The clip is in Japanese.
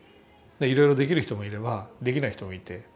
いろいろできる人もいればできない人もいて。